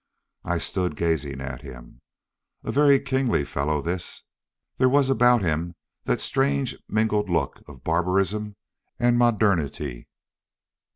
I stood gazing at him. A very kingly fellow this. There was about him, that strange mingled look of barbarism and modernity.